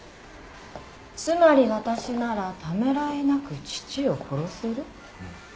つまり私ならためらいなく父を殺せる？